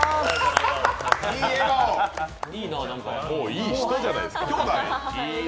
いい人じゃないですか。